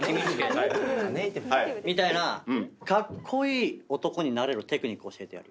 みたいなカッコイイ男になれるテクニック教えてやる。